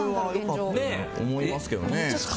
思いますけどね。